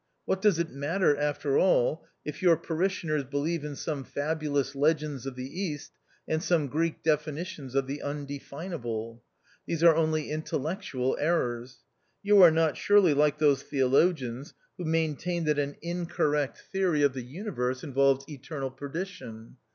What does it matter, after all, if your parishioners believe in some fabulous legends of the East and some Greek definitions of the Undefinable ? These are only intellectual errors. You are not surely like those theolo gians who maintain that an incorrect theory n6 THE OUTCAST. of the Universe involves eternal perdition.